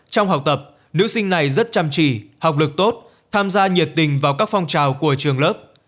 trong học tập nữ sinh này rất chăm chỉ học lực tốt tham gia nhiệt tình vào các phong trào của trường lớp